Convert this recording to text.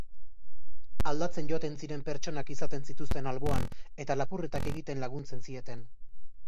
Aldatzen joaten ziren pertsonak izaten zituzten alboan, eta lapurretak egiten laguntzen zieten.